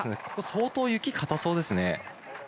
ここ相当、雪がかたそうですね。